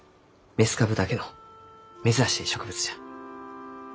雌株だけの珍しい植物じゃ。